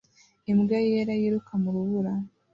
imbwa yera yiruka mu rubura